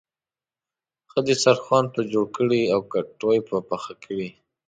ښه دسترخوان به جوړ کړې او کټوۍ به پخه کړې.